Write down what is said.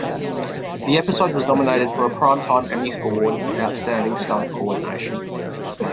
The episode was nominated for a Primetime Emmy Award for Outstanding Stunt Coordination.